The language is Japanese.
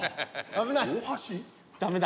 ダメだ。